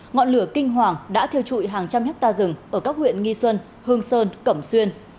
ngọn lửa kinh hoàng đã thiêu trụi hàng trăm hectare rừng ở các huyện nghi xuân hương sơn cẩm xuyên